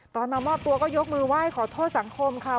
มามอบตัวก็ยกมือไหว้ขอโทษสังคมค่ะ